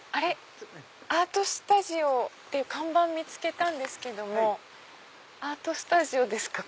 アートスタジオっていう看板見つけたんですけどもアートスタジオですか？